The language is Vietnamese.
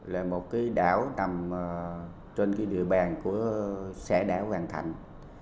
là một cái đảo nằm trên cái địa bàn của xã đảo hoàng thạnh